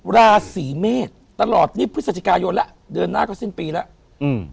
ราศีเมษตลอดนี่พฤศจิกายนแล้วเดือนหน้าก็สิ้นปีแล้วอืม